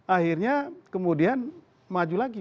akhirnya kemudian maju lagi